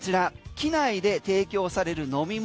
機内で提供される飲み物